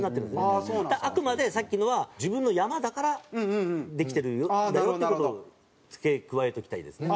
あくまでさっきのは自分の山だからできてるんだよって事を付け加えておきたいですね。